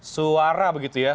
suara begitu ya